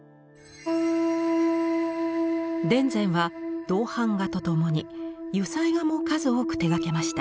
田善は銅版画とともに油彩画も数多く手がけました。